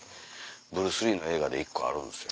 ブルース・リーの映画で１個あるんですよ。